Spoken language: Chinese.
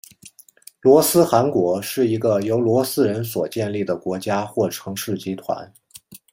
罗斯汗国是一个由罗斯人所建立的国家或城市集团。